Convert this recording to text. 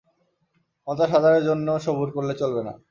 পঞ্চাশ হাজারের জন্যে সবুর করলে চলবে না।